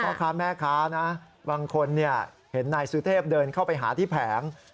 พ่อค้าแม่ค้านะบางคนเห็นนายสุเทพเดินเข้าไปหาที่แผง